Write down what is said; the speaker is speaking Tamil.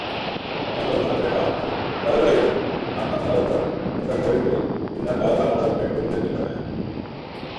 பல்லவ மன்னர்கள் காலத்தில் கருவறையுடனும் அர்த்த மண்டபத்துடனும் நின்ற கோயில்களில், பின்னர் பலபல மண்டபங்கள் எழுந்திருக்கின்றன.